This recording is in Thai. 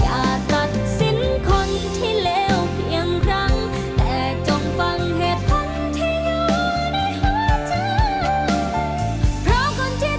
อย่าตัดสินคนที่เลวเพียงครั้งแต่จงฟังเหตุผลที่อยู่ในหัวจ้าง